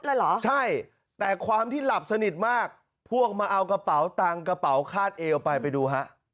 เลยเหรอใช่แต่ความที่หลับสนิทมากพวกมาเอากระเป๋าตังค์กระเป๋าคาดเอวไปไปดูฮะ